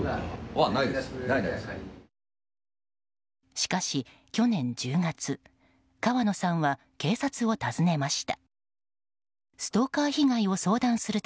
しかし、去年１０月川野さんは警察を訪ねました。